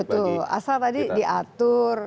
betul asal tadi diatur